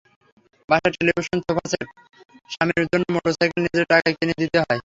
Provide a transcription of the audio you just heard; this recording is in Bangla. বাসার টেলিভিশন, সোফাসেট, স্বামীর জন্য মোটরবাইক নিজের টাকায় কিনে দিতে হয়।